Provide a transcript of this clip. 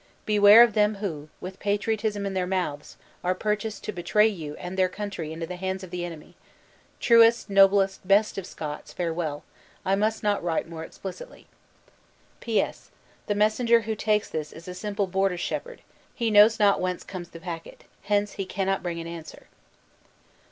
Beware of them who, with patriotism in their mouths, are purchased to betray you and their country into the hands of the enemy! Truest, noblest, best of Scots, farewell! I must not write more explicitly. "P.S. The messenger who takes this is a simple border shepherd: he knows not whence comes the packet, hence he cannot bring an answer."